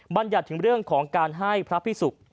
บัญญัติถึงเรื่องของการให้พระภิกษุ